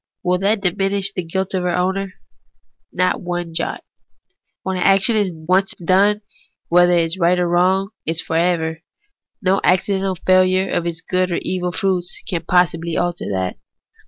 Will that diminish the guilt of her owner? Not one jot. Wlien an action is once done, it is right or wrong for ever ; no accidental failure of its good or evil fruits can possibly alter that.